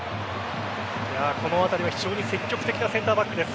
このあたりは非常に積極的なセンターバックです。